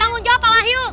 tanggung jawab pak wahyu